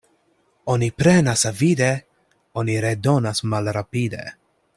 Oni prenas avide, oni redonas malrapide.